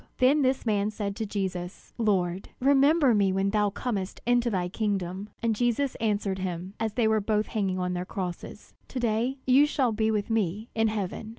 Then this man said to Jesus: "Lord, remember me when thou comest into thy kingdom!" And Jesus answered him, as they were both hanging on their crosses: "To day you shall be with me in heaven."